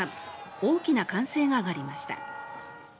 大きな歓声が上がりました。